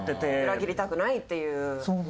裏切りたくないっていう。